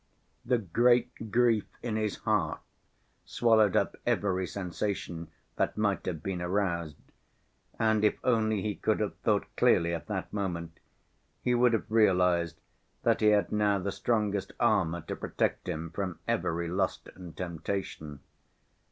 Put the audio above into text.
The great grief in his heart swallowed up every sensation that might have been aroused, and, if only he could have thought clearly at that moment, he would have realized that he had now the strongest armor to protect him from every lust and temptation.